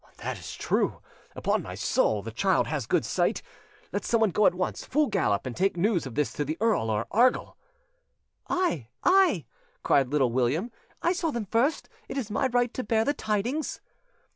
"That's true; upon my soul, the child has good sight. Let someone go at once full gallop and take news of this to the Earl or Argyll." "I! I!" cried Little William. "I saw them first; it is my right to bear the tidings."